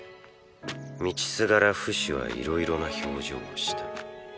道すがらフシは色々な表情をした。